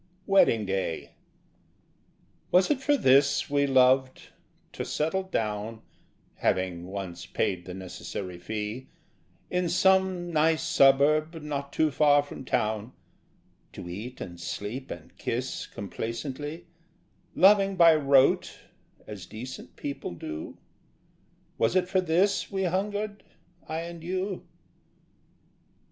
Wedding Day Was it for this we loved: to settle down (Having once paid the necessary fee) In some nice suburb not too far from town, To eat and sleep and kiss complacently, Loving by rote as decent people do: Was it for this we hungered, I and you?